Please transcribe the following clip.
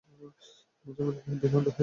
মাঝেমধ্যে আমি বিভ্রান্ত হয়ে পড়ি।